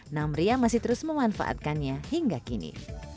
namriah masih terus memanfaatkannya hingga kini